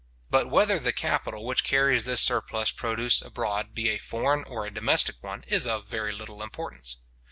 But whether the capital which carries this surplus produce abroad be a foreign or a domestic one, is of very little importance.